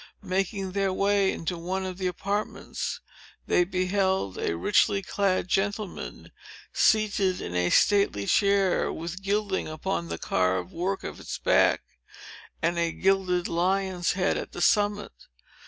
Making their way into one of the apartments, they beheld a richly clad gentleman, seated in a stately chair, with gilding upon the carved work of its back, and a gilded lion's head at the summit.